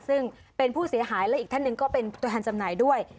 ซึ่งเป็นผู้เสียหายและอีกท่านหนึ่งก็เป็นตัวแทนจำหน่ายด้วย